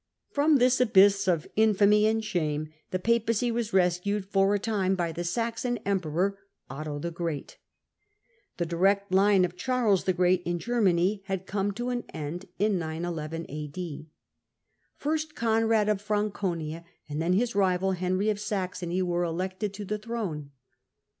From this abyss of infamy and shame the Papacy was rescued for a time by the Saxon emperor Otto the Great. The direct line of Charles the Great otto the Great ax his sao Greatand jj^ Germany had come to an end in 911 a.d. First Conrad of Franconia, and then his rival, Henry of Saxony, were elected to the throne.